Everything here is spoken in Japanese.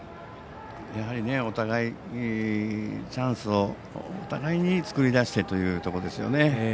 やはりチャンスをお互いに作り出してというところですよね。